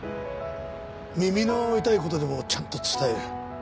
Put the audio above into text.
耳の痛い事でもちゃんと伝える。